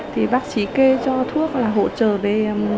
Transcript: thì bác sĩ kê cho thuốc là hỗ trợ về